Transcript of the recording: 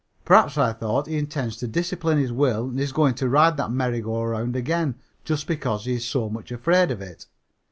"Perhaps," I thought, "he intends to discipline his will and is going to ride that merry go round again just because he is so much afraid of it."